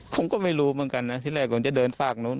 ผมก็ไม่รู้เหมือนกันนะที่แรกผมจะเดินฝากนู้น